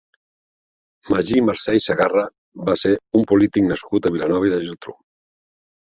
Magí Marcé i Segarra va ser un polític nascut a Vilanova i la Geltrú.